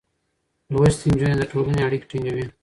لوستې نجونې د ټولنې اړيکې ټينګوي.